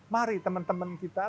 mari teman teman kita